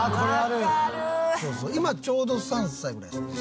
今ちょうど３歳ぐらいでしたっけ？